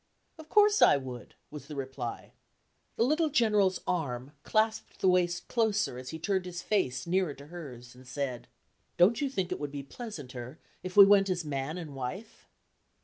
"Of course I would," was the reply. The little General's arm clasped the waist closer as he turned his face nearer to hers, and said: "Don't you think it would be pleasanter if we went as man and wife?"